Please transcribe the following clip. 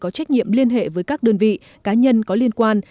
có trách nhiệm liên hệ với các đơn vị cá nhân có liên quan